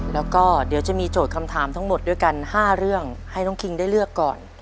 แล้วก็เดี๋ยวจะมีโจทย์คำถามทั้งหมดด้วยกัน๕เรื่องให้น้องคิงได้เลือกก่อน